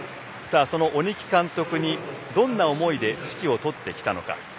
その鬼木監督にどんな思いで指揮を執ってきたのか。